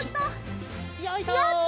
やった！